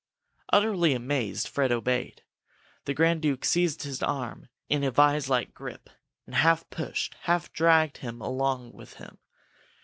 Utterly amazed, Fred obeyed. The Grand Duke seized his arm in a vise like grip and half pushed, half dragged him along with him.